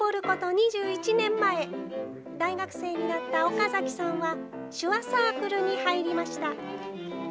２１年前、大学生になった岡崎さんは、手話サークルに入りました。